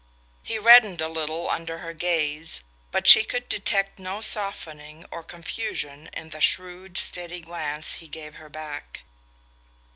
He reddened a little under her gaze, but she could detect no softening or confusion in the shrewd steady glance he gave her back.